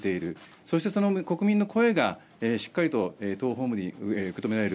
そして、その国民の声がしっかりと党本部に受け止められる。